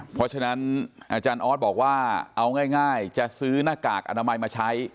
เพราะฉะนั้นอาจารย์ออสบอกว่าเอาง่ายจะซื้อหน้ากากอนามัยมาใช้